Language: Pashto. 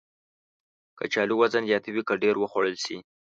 کچالو وزن زیاتوي که ډېر وخوړل شي